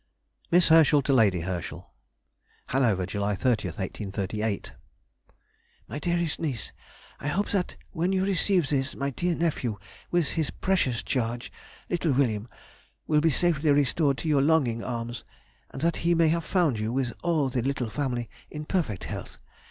MISS HERSCHEL TO LADY HERSCHEL. HANOVER, July 30, 1838. MY DEAREST NIECE,— I hope that when you receive this my dear nephew, with his precious charge (little William), will be safely restored to your longing arms, and that he may have found you, with all the little family, in perfect health.